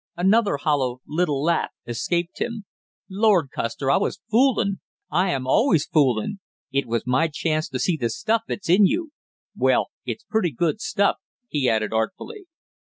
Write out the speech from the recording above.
Another hollow little laugh escaped him. "Lord, Custer, I was foolin' I am always foolin'! It was my chance to see the stuff that's in you. Well, it's pretty good stuff!" he added artfully.